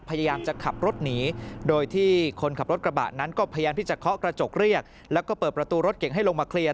พยายามจะขับรถหนีโดยที่คนขับรถกระบะนั้นก็พยายามที่จะเคาะกระจกเรียกแล้วก็เปิดประตูรถเก่งให้ลงมาเคลียร์